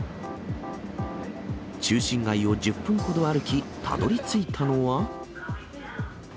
中心街を１０分ほど歩き、たどりついたのは。